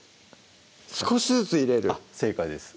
少しずつ入れるあっ正解です